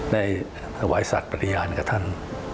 ในถวายศาสตร์ประญาณกับท่าน